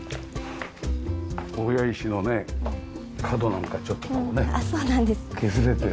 大谷石のね角なんかちょっとこうね削れて。